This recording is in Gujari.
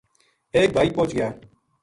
ایک بھائی پوہچ گیا